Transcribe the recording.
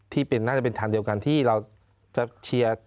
น่าจะเป็นทางเดียวกันที่เราจะเชียร์